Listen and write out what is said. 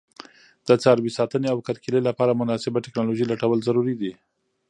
د څاروي ساتنې او کرکیلې لپاره مناسبه تکنالوژي لټول ضروري دي.